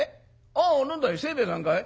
ああ何だい清兵衛さんかい。